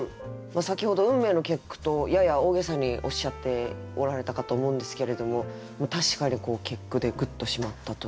先ほど「運命の結句」とやや大げさにおっしゃっておられたかと思うんですけれども確かに結句でグッと締まったという。